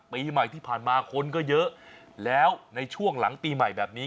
ปีใหม่ที่ผ่านมาคนก็เยอะแล้วในช่วงหลังปีใหม่แบบนี้